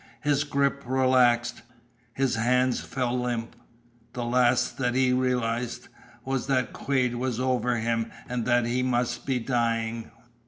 His grip relaxed. His hands fell limp. The last that he realized was that Quade was over him, and that he must be dying.